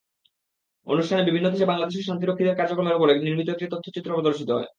অনুষ্ঠানে বিভিন্ন দেশে বাংলাদেশের শান্তিরক্ষীদের কার্যক্রমের ওপর নির্মিত একটি তথ্যচিত্র প্রদর্শিত হয়।